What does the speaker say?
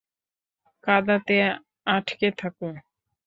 কাদাতে আটকে থাকো।